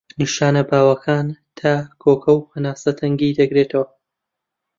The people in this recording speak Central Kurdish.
نیشانە باوەکان تا، کۆکە و هەناسە تەنگی دەگرێتەوە.